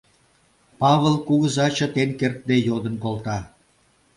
— Павыл кугыза чытен кертде йодын колта.